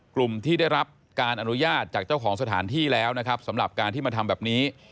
กลุ่มที่ได้รับการอนุญาตจากเจ้าของสถานที่แล้วนะครับสำหรับการที่มาทำแบบนี้